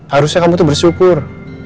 harusnya kamu tuh bersyukur